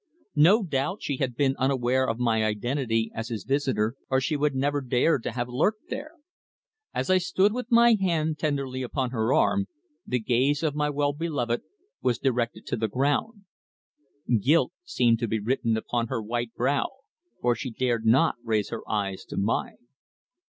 No doubt she had been unaware of my identity as his visitor, or she would never dared to have lurked there. As I stood with my hand tenderly upon her arm, the gaze of my well beloved was directed to the ground. Guilt seemed written upon her white brow, for she dared not raise her eyes to mine.